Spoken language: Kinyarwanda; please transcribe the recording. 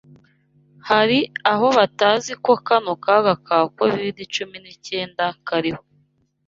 Hari aho batazi ko kano kaga ka covid cumi n'icyenda kariho